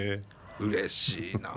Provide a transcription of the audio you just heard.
うれしいな。